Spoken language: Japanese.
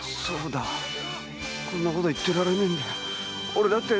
そうだこんなこと言ってられねえんだ。